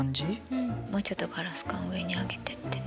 うんもうちょっとガラス管上に上げてってね。